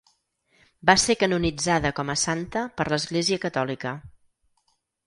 Va ser canonitzada com a santa per l'Església catòlica.